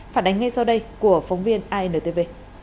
phản ánh ngay sau đây của phóng viên antv